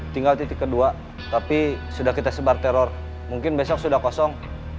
tinggal titik kedua tapi sudah kita sebar teror mungkin besok sudah kosong